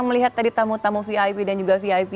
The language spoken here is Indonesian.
melihat tadi tamu tamu vip dan juga vip